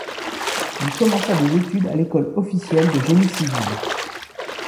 Il commença des études à l'École officielle de génie civil.